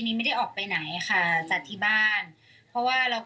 ไม่บอกได้ไหมอะ